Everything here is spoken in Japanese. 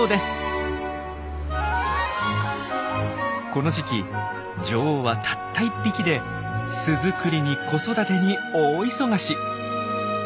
この時期女王はたった１匹で巣作りに子育てに大忙し。